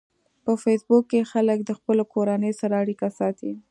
په فېسبوک کې خلک د خپلو کورنیو سره اړیکه ساتي